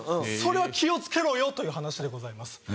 それは気をつけろよという話でございます。